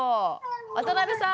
渡邊さん